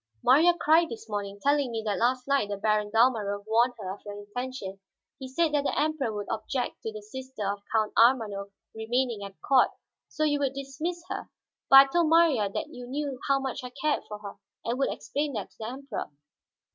"Marya cried this morning, telling me that last night the Baron Dalmorov warned her of your intention. He said that the Emperor would object to the sister of Count Ormanof remaining at court, so you would dismiss her. But I told Marya that you knew how much I cared for her, and would explain that to the Emperor."